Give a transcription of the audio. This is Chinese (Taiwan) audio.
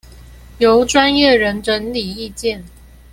由專業人整理意見